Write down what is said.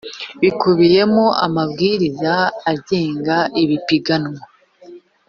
bikubiyemo amabwiriza agenga ipiganwa